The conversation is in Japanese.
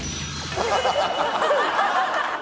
ハハハハ！